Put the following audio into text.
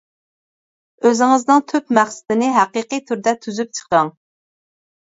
ئۆزىڭىزنىڭ تۈپ مەقسىتىنى ھەقىقىي تۈردە تۈزۈپ چىقىڭ.